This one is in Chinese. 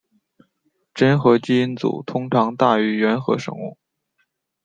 真核基因组通常大于原核生物。